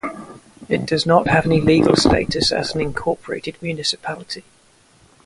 It does not have any legal status as an incorporated municipality.